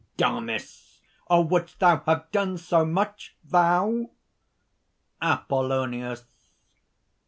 DAMIS. "Wouldst thou have done so much? thou?" APOLLONIUS.